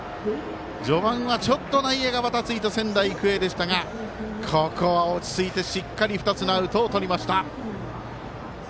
序盤は、ちょっと内野がばたついた仙台育英でしたがここは落ち着いて、しっかり２つのアウトをとりました。